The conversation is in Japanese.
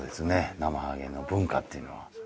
なまはげの文化っていうのは。